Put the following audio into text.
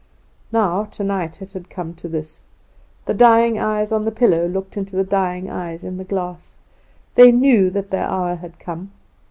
Now tonight it had come to this. The dying eyes on the pillow looked into the dying eyes in the glass; they knew that their hour had come.